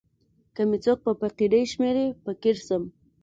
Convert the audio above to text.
که می څوک په فقیری شمېري فقیر سم.